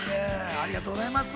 ありがとうございます。